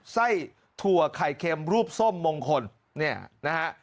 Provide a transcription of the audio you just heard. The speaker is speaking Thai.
ไส้ถั่วไข่เค็มรูปส้มมงคลเนี่ยนะฮะ